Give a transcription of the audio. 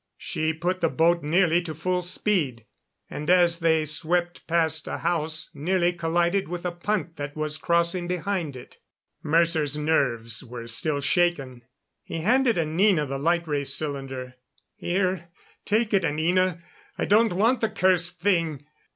She put the boat nearly to full speed, and as they swept past a house nearly collided with a punt that was crossing behind it. Mercer's nerves were still shaken. He handed Anina the light ray cylinder. "Here take it, Anina. I don't want the cursed thing.